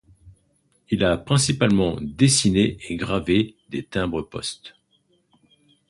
Il a principalement dessiné et gravé des timbres-poste.